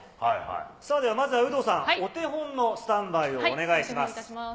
さあ、まずは有働さん、お手本のスタンバイをお願いいたします。